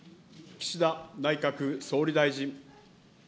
岸田内閣総理大臣。